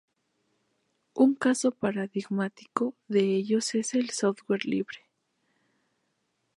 Un caso paradigmático de ello es el software libre.